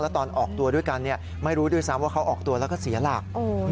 ตอนออกตัวด้วยกันไม่รู้ด้วยซ้ำว่าเขาออกตัวแล้วก็เสียหลัก